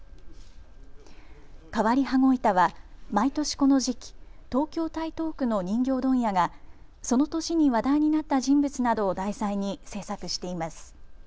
変わり羽子板は毎年この時期、東京台東区の人形問屋がその年に話題になった人物などを題材に制作しています。